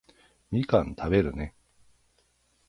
みかん食べるね